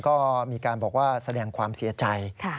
ก็มีการบอกว่าแสดงความเสียใจ